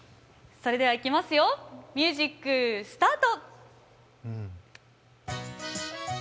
それではいきますよ、ミュージック、スタート。